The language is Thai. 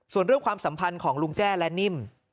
ส่วนเรื่องความสัมพันธ์ของลุงแจ้และนิ่ม